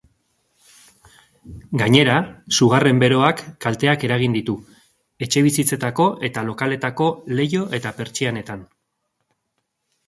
Gainera, sugarren beroak kalteak eragin ditu etxebizitzetako eta lokaletako leiho eta pertsianetan.